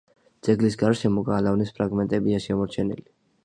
ძეგლის გარშემო გალავნის ფრაგმენტებია შემორჩენილი.